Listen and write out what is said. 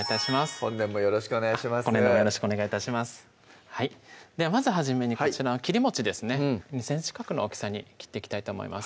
本年もよろしくお願い致しますではまず初めにこちらの切りですね２ｃｍ角の大きさに切っていきたいと思います